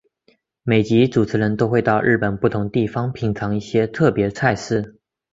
每集主持人都会到日本不同地方品尝一些特别菜式。